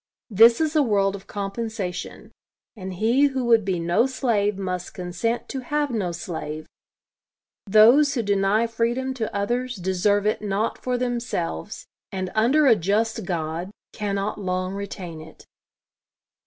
This is a world of compensation; and he who would be no slave must consent to have no slave. Those who deny freedom to others deserve it not for themselves; and, under a just God, cannot long retain it.